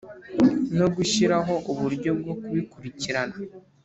No gushyiraho uburyo bwo kubikurikirana